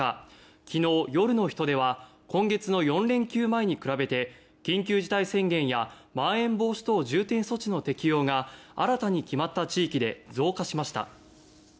昨日夜の人出は今月の４連休前に比べて緊急事態宣言やまん延防止等重点措置の適用が新たに決まった地域で増加しました。